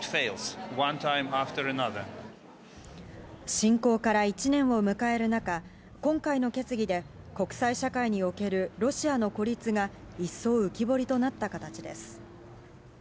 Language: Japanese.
侵攻から１年を迎える中、今回の決議で国際社会におけるロシアの孤立が一層、浮き彫りとなった形です。